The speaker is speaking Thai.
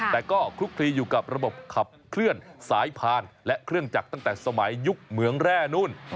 แต่ก็คลุกคลีอยู่กับระบบขับเคลื่อนสายพานและเครื่องจักรตั้งแต่สมัยยุคเหมืองแร่นู้น